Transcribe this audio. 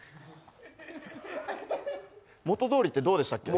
元どおりってどうでしたっけ？